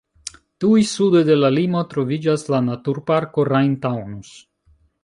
Tuj sude de la limo troviĝas la Naturparko Rhein-Taunus.